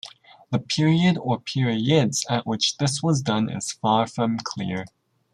The period or periods at which this was done is far from clear.